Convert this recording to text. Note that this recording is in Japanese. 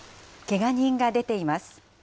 けが人が出ています。